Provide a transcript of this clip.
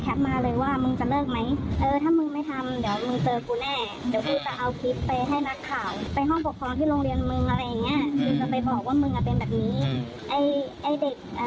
เขาคิดว่าจะไม่ได้ปรักษาการพุทธชีวที่กันไหมวะครับ